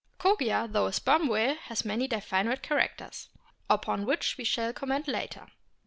Kogia, though a Sperm whale, has many delphinoid characters, upon which we shall comment later.